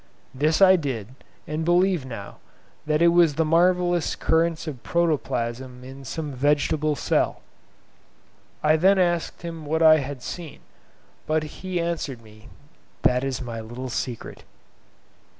This I did, and believe now that it was the marvellous currents of protoplasm in some vegetable cell. I then asked him what I had seen; but he answered me, "That is my little secret."